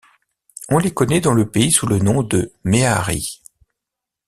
On les connaît dans le pays sous le nom de « mehari.